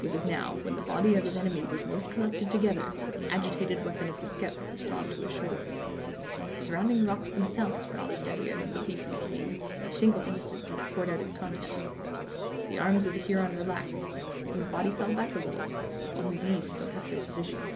It was now, when the body of his enemy was most collected together, that the agitated weapon of the scout was drawn to his shoulder. The surrounding rocks themselves were not steadier than the piece became, for the single instant that it poured out its contents. The arms of the Huron relaxed, and his body fell back a little, while his knees still kept their position.